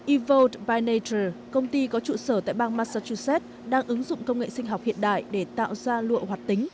evolt by nature công ty có trụ sở tại bang massachusetts đang ứng dụng công nghệ sinh học hiện đại để tạo ra lụa hoạt tính